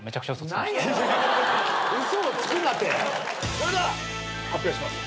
それでは発表します。